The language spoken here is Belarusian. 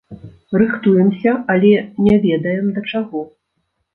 Рыхтуемся, але не ведаем, да чаго.